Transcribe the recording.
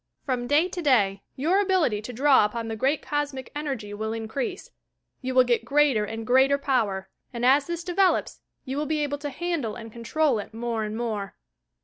From day to day, your ability to draw upon the great Cosmic Energy will increase. You will get greater and greater power, and as this develops, you will be able to handle and control it more and more.